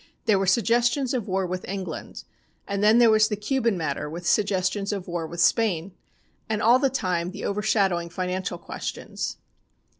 There were suggestions of war with England, and then there was the Cuban matter with suggestions of war with Spain, and all the time the overshadowing financial questions.